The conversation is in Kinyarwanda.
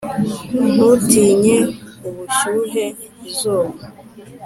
ntutinye ubushyuhe o 'izuba;